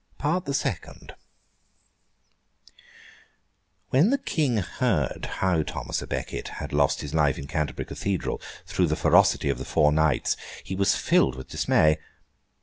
PART THE SECOND When the King heard how Thomas à Becket had lost his life in Canterbury Cathedral, through the ferocity of the four Knights, he was filled with dismay.